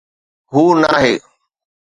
هو، ناهي.